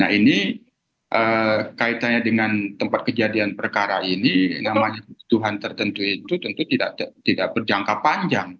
nah ini kaitannya dengan tempat kejadian perkara ini namanya kebutuhan tertentu itu tentu tidak berjangka panjang